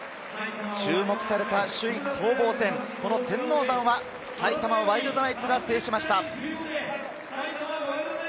注目された首位攻防戦、天王山は埼玉ワイルドナイツが制しました。